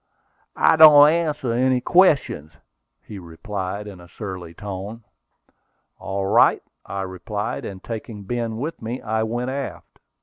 "I don't answer any questions," he replied, in a surly tone. "All right," I replied, and taking Ben with me, I went aft.